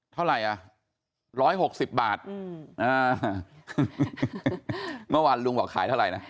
เท่าไรอ่ะร้อยหกสิบบาทอืออ้าวเนี้ยเมื่อวันลุงบอกขายเท่าไรนะ